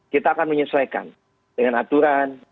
kita akan menyesuaikan dengan aturan